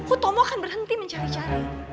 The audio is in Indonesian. utomo akan berhenti mencari cari